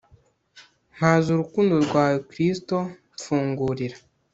mpaza urukundo rwawe kristu mfungurira